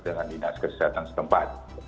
dengan dinas kesehatan setempat